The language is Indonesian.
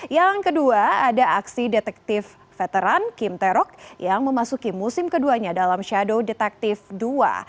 yang kedua ada aksi detektif veteran kim tae rock yang memasuki musim keduanya dalam shadow detektif dua